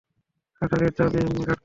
শাটারের চাবি গার্ডকে দাও।